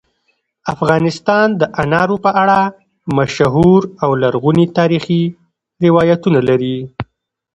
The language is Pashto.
افغانستان د انارو په اړه مشهور او لرغوني تاریخی روایتونه لري.